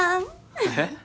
えっ？